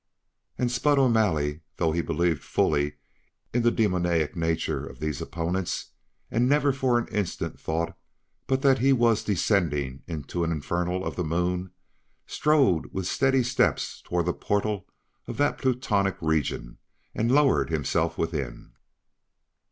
And Spud O'Malley, though he believed fully in the demoniac nature of these opponents and never for an instant thought but that he was descending into an inferno of the Moon, strode with steady steps toward the portal of that Plutonic region and lowered himself within.